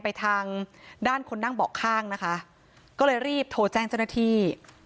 ไปทางด้านคนนั่งเบาะข้างนะคะก็เลยรีบโทรแจ้งเจ้าหน้าที่